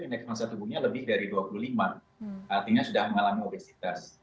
indeks masa tubuhnya lebih dari dua puluh lima artinya sudah mengalami obesitas